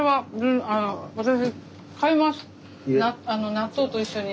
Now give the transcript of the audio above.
納豆と一緒に。